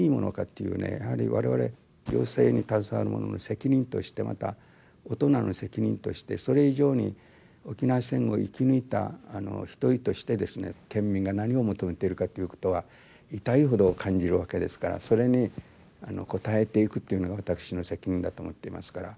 やはり我々行政に携わる者の責任としてまた大人の責任としてそれ以上に沖縄戦を生き抜いた一人として県民が何を求めているかっていうことは痛いほど感じるわけですからそれに応えていくっていうのが私の責任だと思っていますから。